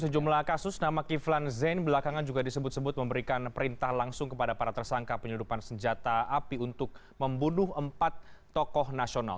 sejumlah kasus nama kiflan zain belakangan juga disebut sebut memberikan perintah langsung kepada para tersangka penyeludupan senjata api untuk membunuh empat tokoh nasional